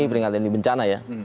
peringatan dini bencana ya